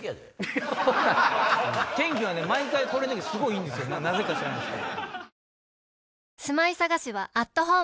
天気はね毎回これの時すごいいいんですよなぜか。